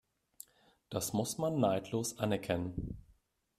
Das muss man neidlos anerkennen.